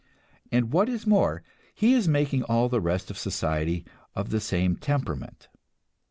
And what is more, he is making all the rest of society of the same temperament.